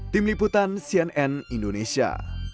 tim liputan cnn indonesia